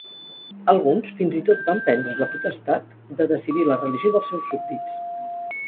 Alguns fins i tot van prendre's la potestat de decidir la religió dels seus súbdits.